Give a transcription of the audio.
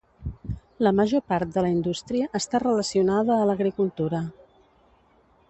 La major part de la indústria està relacionada a l'agricultura.